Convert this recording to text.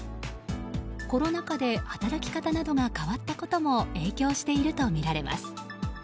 コロナ禍で働き方などが変わったことも影響しているとみられます。